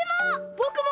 ぼくも！